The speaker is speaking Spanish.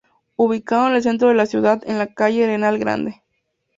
Ubicado en el Centro de la ciudad en la calle Arenal Grande.